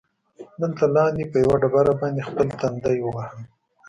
دلته لاندې، په یوه ډبره باندې خپل تندی ووهه.